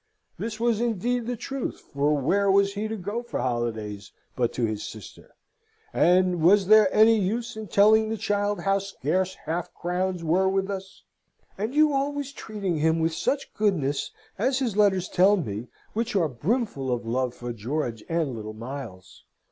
(this was indeed the truth, for where was he to go for holidays but to his sister? and was there any use in telling the child how scarce half crowns were with us?). "And you always treating him with such goodness, as his letters tell me, which are brimful of love for George and little Miles!